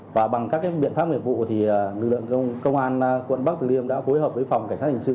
và bằng các biện pháp nghiệp vụ thì lực lượng công an quận bắc tử liêm đã phối hợp với phòng cảnh sát hình sự